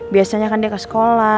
biasanya kan dia ke sekolah